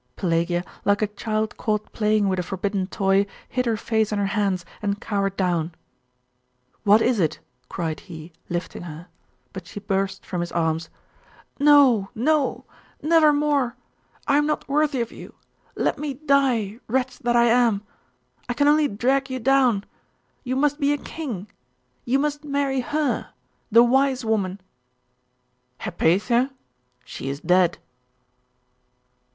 Pelagia, like a child caught playing with a forbidden toy, hid her face in her hands and cowered down. 'What is it?' cried he, lifting her. But she burst from his arms. 'No, no! never more! I am not worthy of you! Let me die, wretch that I am! I can only drag you down. You must be a king. You must marry her the wise woman!' 'Hypatia! She is dead!